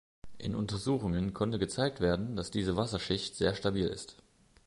In Untersuchungen konnte gezeigt werden, dass diese Wasserschicht sehr stabil ist.